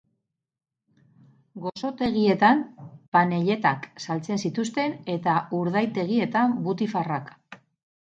Gozotegietan panelletak saltzen zituzten eta urdaitegietan butifarrak.